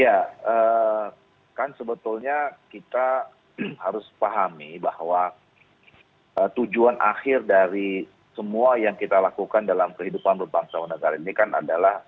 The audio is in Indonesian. ya kan sebetulnya kita harus pahami bahwa tujuan akhir dari semua yang kita lakukan dalam kehidupan berbangsa dan negara ini kan adalah